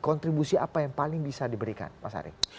kontribusi apa yang paling bisa diberikan mas arief